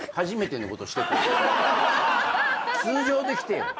通常で来てよ。